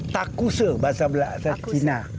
takuse bahasa cina